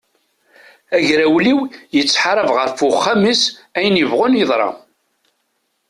Agrawliw yettḥarab ɣef uxxam-is ayen yebɣun yeḍra!